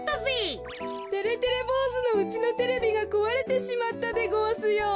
てれてれぼうずのうちのテレビがこわれてしまったでごわすよ。